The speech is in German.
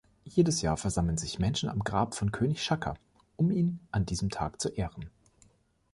Jedes Jahr versammeln sich Menschen am Grab von König Shaka, um ihn an diesem Tag zu ehren.